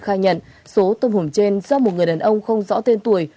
khai nhận số tôm hùm trên do một người đàn ông không rõ tên tuổi